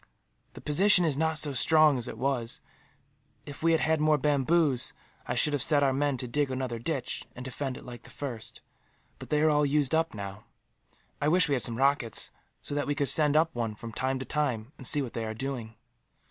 "The position is not so strong as it was. If we had had more bamboos, I should have set our men to dig another ditch, and defend it like the first; but they are all used up, now. I wish we had some rockets; so that we could send up one, from time to time, and see what they are doing."